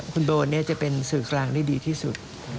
คุณโบจะเป็นสื่อกลางที่ดีที่สุด